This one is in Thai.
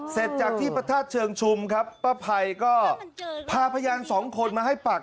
เสร็จจากที่พระธาตุเชิงชุมครับป้าภัยก็พาพยานสองคนมาให้ปาก